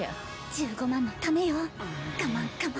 １５万のためよ我慢我慢。